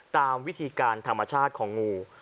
ตามวิธีการธรรมชาติของงู